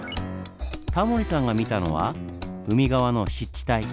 タモリさんが見たのは海側の湿地帯。